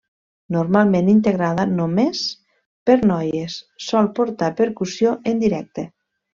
Normalment integrada només per noies sol portar percussió en directe.